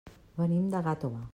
Venim de Gàtova.